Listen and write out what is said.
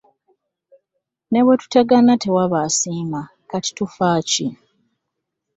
Ne bwe tutegana tewaba asiima kati tufa ki?